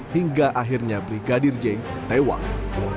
hingga akhirnya brigadir j tewas